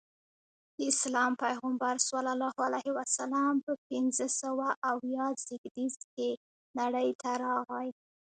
د اسلام پیغمبر ص په پنځه سوه اویا زیږدیز کې نړۍ ته راغی.